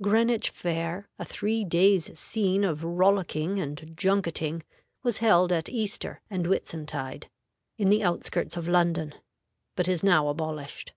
Greenwich Fair, a three days' scene of rollicking and junketing, was held at Easter and Whitsuntide, in the outskirts of London, but is now abolished.